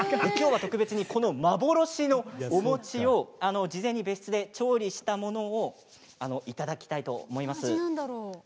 きょうは特別にこの幻のお餅を事前に別室で調理したものをいただきたいと思います。